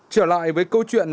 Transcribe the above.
trở lại với câu chuyện